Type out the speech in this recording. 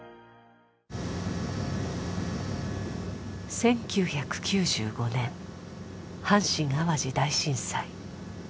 １９９５年阪神淡路大震災。